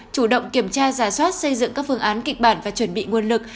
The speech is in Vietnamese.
chủ động kiểm tra giả soát xây dựng các phương án kịch bản và chuẩn bị nguồn lực